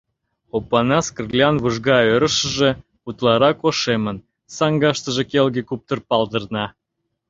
Опанас Кырлян вужга ӧрышыжӧ утларак ошемын, саҥгаштыже келге куптыр палдырна.